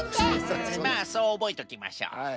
うんまあそうおぼえときましょう。